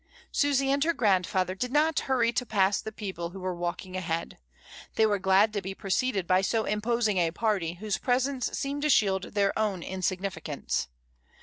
Susy and her grandfather did not hurry to pass the people who were walking ahead; they were glad to be preceded by so imposing a party whose presence seemed to shield their own insignificance.